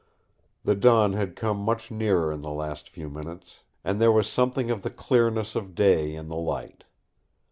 The dawn had come much nearer in the last few minutes, and there was something of the clearness of day in the light.